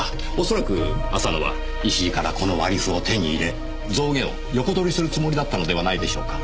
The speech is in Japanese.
恐らく浅野は石井からこの割り符を手に入れ象牙を横取りするつもりだったのではないでしょうか。